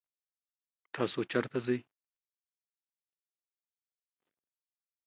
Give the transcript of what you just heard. تاسو چرته ځئ؟